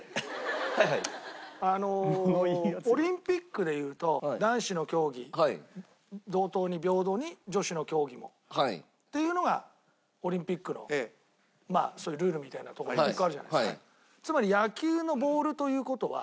あのオリンピックでいうと男子の競技同等に平等に女子の競技もっていうのがオリンピックのまあそういうルールみたいなとこよくあるじゃないですか。